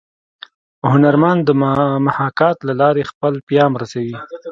هنرمن د محاکات له لارې خپل پیام رسوي